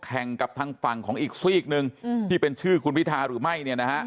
แข่งกับทางฝั่งของอีกซี่อีกนึงที่เป็นชื่อคุณพิทาหรือไม่